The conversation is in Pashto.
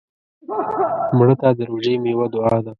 مړه ته د روژې میوه دعا ده